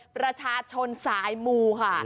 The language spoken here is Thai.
ประชาชนสายมูค่ะ